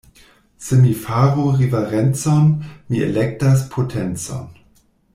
Se mi faru riverencon, mi elektas potencon.